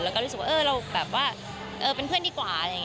เราก็รู้สึกว่าเราแบบว่าเป็นเพื่อนดีกว่า